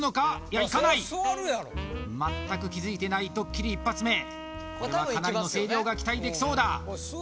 いやいかない全く気づいてないドッキリ一発目これはかなりの声量が期待できそうだ